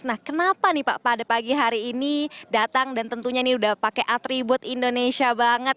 nah kenapa nih pak pada pagi hari ini datang dan tentunya ini udah pakai atribut indonesia banget